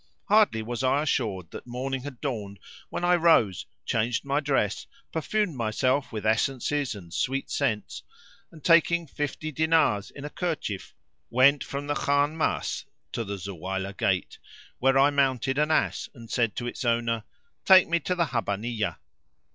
Hardly was I assured that morning had dawned when I rose, changed my dress, perfumed myself with essences and sweet scents and, taking fifty dinars in a kerchief, went from the Khan Masrúr to the Zuwaylah[FN#530] gate, where I mounted an ass and said to its owner, "Take me to the Habbaniyah."